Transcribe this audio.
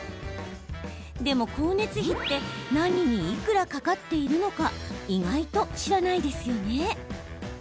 でも光熱費って何にいくらかかっているのか意外と知らないですよね。